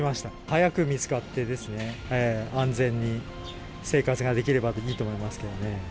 早く見つかって、安全に生活ができればいいと思いますけどね。